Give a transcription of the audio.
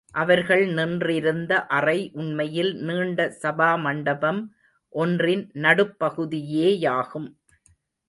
அவர்கள் நின்றிருந்த அறை உண்மையில் நீண்ட சபா மண்டபம் ஒன்றின் நடுப் பகுதியேயாகும்.